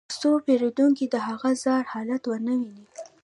ترڅو پیرودونکي د هغه زاړه حالت ونه ویني